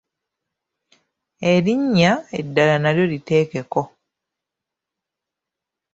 Erinnya eddala nalyo liteekeko.